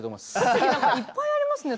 いっぱいありますね